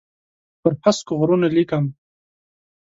پر هسکو غرونو لیکم